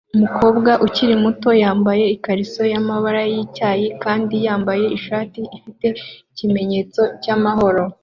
Umukobwa ukiri muto yambaye ikariso yamabara yicyayi kandi yambaye ishati ifite ikimenyetso cyamahoro